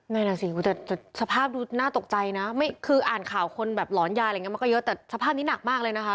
นั่นน่ะสิแต่สภาพดูน่าตกใจนะคืออ่านข่าวคนแบบหลอนยาอะไรอย่างนี้มันก็เยอะแต่สภาพนี้หนักมากเลยนะคะ